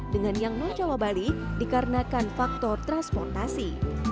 dengan yang non jawa bali dikarenakan faktor transportasi